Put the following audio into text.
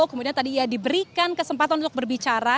kemudian tadi ia diberikan kesempatan untuk berbicara